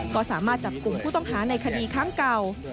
ก็สามารถจับกลุ่มผู้ต้องหาในคดีครั้งเก่า